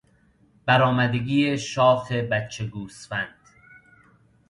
برآمدگی شاخ بچه گوسفند